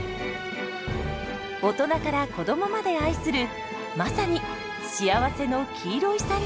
大人から子どもまで愛するまさに「幸せの黄色いサンドイッチ」です。